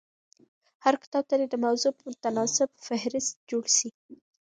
هر کتاب ته دي د موضوع په تناسب فهرست جوړ سي.